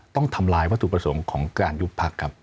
ต้องทำลายวัตถุประสงค์ของการยุบพักครับ